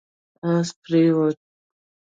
اس پرېووت